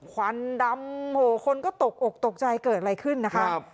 ควันดำโหคนก็ตกอกตกใจเกิดอะไรขึ้นนะคะ